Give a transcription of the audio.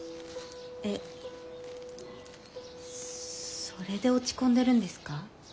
えっそれで落ち込んでるんですか？